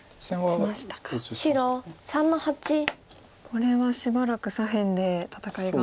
これはしばらく左辺で戦いが。